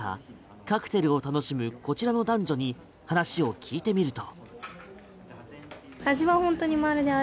カクテルを楽しむこちらの男女に話を聞いてみると。